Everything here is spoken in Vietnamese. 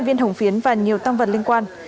hai viên hồng phiến và nhiều tăng vật liên quan